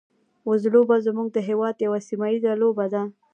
وزلوبه زموږ د هېواد یوه سیمه ییزه لوبه ده.